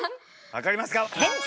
分かりますか？